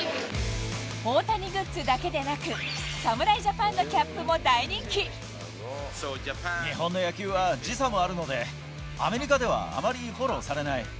大谷グッズだけでなく、日本の野球は時差もあるので、アメリカではあまりフォローされない。